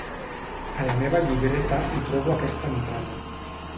A la meva llibreta hi trobo aquesta entrada.